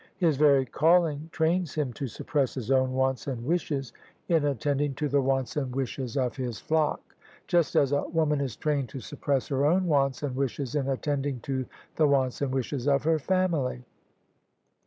His very calling trains him to suppress his own wants and wishes [ 148 ] OF ISABEL CARNABY in attending to the wants and wishes of his flock: just as a woman is trained to suppress her own wants and wishes in attending to the wants and wishes of her family.